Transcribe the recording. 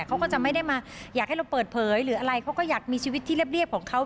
เขาก็จะไม่ได้มาอยากให้เราเปิดเผยหรืออะไรเขาก็อยากมีชีวิตที่เรียบของเขา